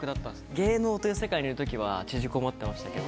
芸能という世界にいるときは縮こまってましたけど。